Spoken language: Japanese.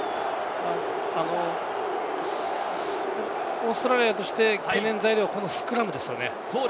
オーストラリアとして懸念材料はスクラムですね。